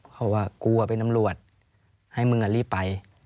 เขาบอกว่ากลัวเป็นตำรวจให้มึงรีบไป